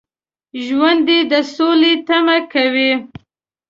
ژوندي د سولې تمه کوي